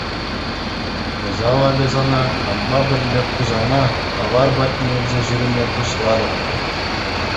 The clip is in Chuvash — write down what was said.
Кӑҫал акӑ сана хампа пӗрле Хусана тавар патне илсе ҫӳреме пуҫлатӑп.